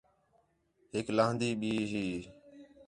ہِک لہن٘دی بھی ہئی